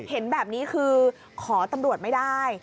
เห็นแบบนี้คือขอตำรวจไม่ได้